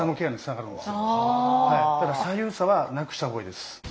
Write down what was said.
だから左右差はなくしたほうがいいです。